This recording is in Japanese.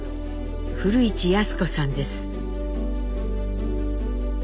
古市康子さんです。